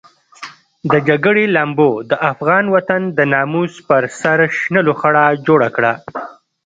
د جګړې لمبو د افغان وطن د ناموس پر سر شنه لوخړه جوړه کړه.